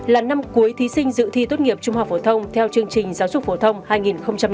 hai nghìn hai mươi bốn là năm cuối thí sinh dự thi tốt nghiệp trung học phổ thông theo chương trình giáo dục phổ thông hai nghìn sáu